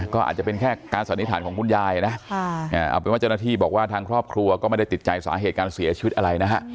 ก็อาจจะเป็นแค่การสันนิษฐานของคุณยายนะเอาเป็นว่าเจ้าหน้าที่บอกว่าทางครอบครัวก็ไม่ได้ติดใจสาเหตุการเสียชีวิตอะไรนะฮะ